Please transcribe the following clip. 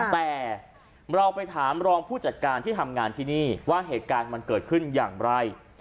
แต่เราไปถามรองผู้จัดการที่ทำงานที่นี่ว่าเหตุการณ์มันเกิดขึ้นอย่างไร